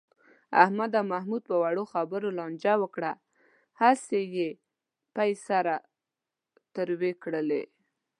احمد او محمود په وړو خبرو لانجه وکړه. هسې یې پۍ سره تروې کړلې.